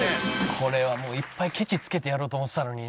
これはもういっぱいケチつけてやろうと思ってたのに。